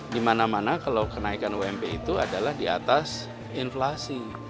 di mana mana kalau kenaikan ump itu adalah di atas inflasi